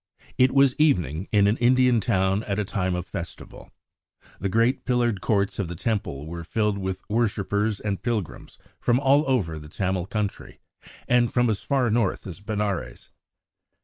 It was evening in an Indian town at a time of festival. The great pillared courts of the Temple were filled with worshippers and pilgrims from all over the Tamil country and from as far north as Benares.